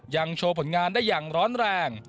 โชว์ผลงานได้อย่างร้อนแรง